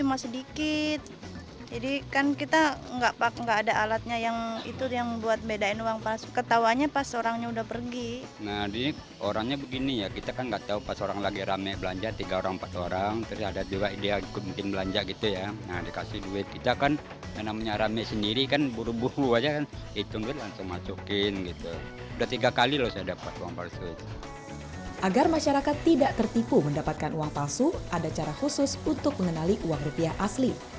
agar masyarakat tidak tertipu mendapatkan uang palsu ada cara khusus untuk mengenali uang rupiah asli